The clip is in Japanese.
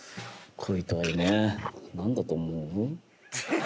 恋と愛ね何だと思う？